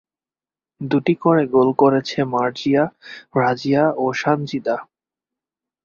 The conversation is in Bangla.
দুটি করে গোল করেছে মার্জিয়া, রাজিয়া ও সানজিদা।